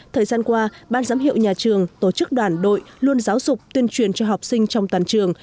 thời gian qua ban giám hiệu nhà trường tổ chức đoàn đội luôn giáo dục tuyên truyền cho học sinh trong toàn trường